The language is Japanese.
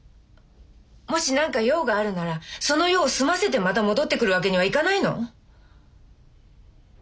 もし何か用があるならその用を済ませてまた戻ってくるわけにはいかないの？